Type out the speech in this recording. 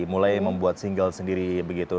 mulai membuat single sendiri begitu